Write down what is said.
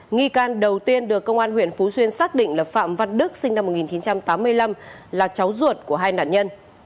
nghi can đầu tiên được công an huyện phú xuyên xác định là phạm văn đức sinh năm một nghìn chín trăm tám mươi năm là cháu ruột của hai nạn nhân